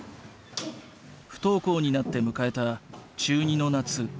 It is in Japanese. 不登校になって迎えた中２の夏。